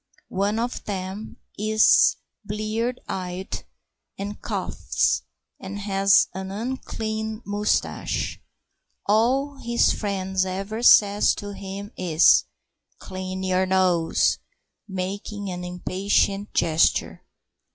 One of them is blear eyed and coughs, and has an unclean moustache. All his friend ever says to him is: "Clean your nose," making an impatient gesture.